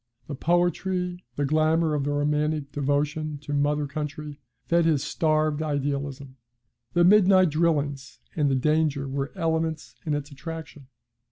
The poetry, the glamour of the romantic devotion to Mother Country fed his starved idealism; the midnight drillings and the danger were elements in its attraction.